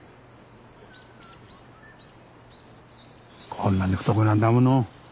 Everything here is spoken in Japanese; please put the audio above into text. こんなに太くなんだもの。